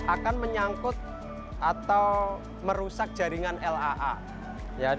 akan menyangkut atau merusak jaringan laa